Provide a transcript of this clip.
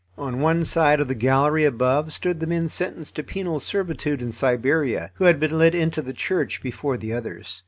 On one side of the gallery above stood the men sentenced to penal servitude in Siberia, who had been let into the church before the others.